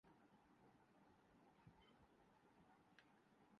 سو اللہ اللہ کر کے آملیٹ تیار ہوئے روٹیوں کو گرم کیا گیااور دستر خوان سج گیا